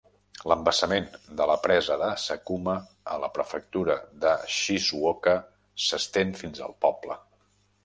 L'embassament de la presa de Sakuma a la prefectura de Shizuoka s'estén fins al poble.